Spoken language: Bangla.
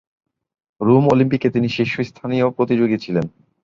রোম অলিম্পিকে তিনি শীর্ষস্থানীয় প্রতিযোগী ছিলেন।